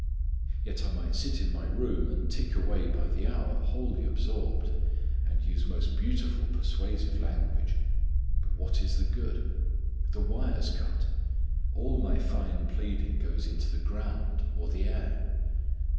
Yet I might sit in my room and tick away by the hour wholly absorbed, and use most beautiful persuasive language what is the good? The wire's cut. All my fine pleading goes into the ground, or the air.